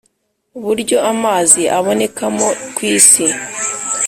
Uburyo amazi abonekamo kw isi